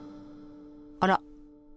あら？